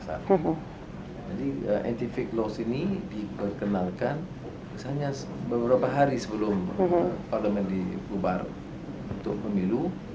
jadi undang undang anti fake ini diperkenalkan misalnya beberapa hari sebelum parlement dikeluarga untuk memilu